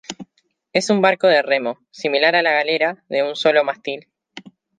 Es un barco de remo, similar a la galera, de un solo mástil.